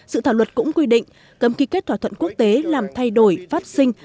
dự thảo luật cũng quy định cấm ký kết thỏa thuận quốc tế làm thay đổi phát sinh